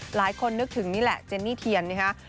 หลายคนนึกถึงนี่แหละเจนนี่เทียนนะคะ